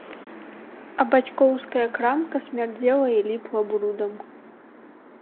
А бацькоўская крамка смярдзела і ліпла брудам.